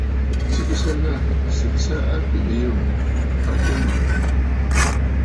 Sɨgɨsə ghâ! Sɨgɨgɨsə abèʼè yû a atu mə̀.